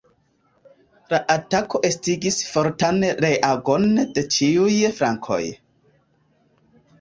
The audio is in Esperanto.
La atako estigis fortan reagon de ĉiuj flankoj.